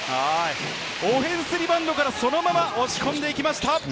オフェンスリバウンドからそのまま押し込んでいきました。